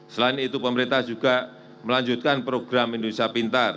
selain itu pemerintah juga melanjutkan program indonesia pintar